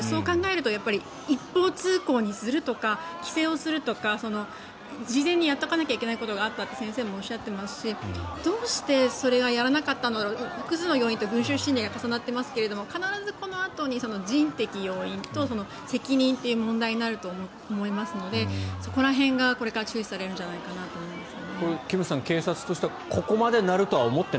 その意味では一方通行にするとか規制をするとか事前にやっておかなきゃいけないことがあったと先生もおっしゃっていましてどうしてそれをやらなかったんだろうと複数の要因と群衆心理が重なってますが必ずそのあとに人的要因と責任という問題になると思いますのでそこら辺がこれから注視されるんじゃないかと思います。